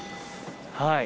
はい。